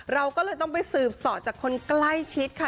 เราก็เลยต้องไปสืบสอดจากคนใกล้ชิดค่ะ